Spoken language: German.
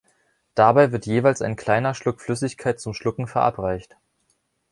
Dabei wird jeweils ein kleiner Schluck Flüssigkeit zum Schlucken verabreicht.